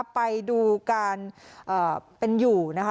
ไปดูการเป็นอยู่นะคะ